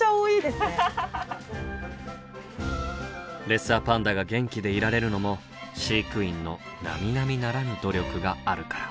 レッサーパンダが元気でいられるのも飼育員のなみなみならぬ努力があるから。